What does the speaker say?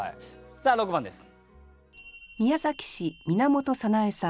さあ６番です。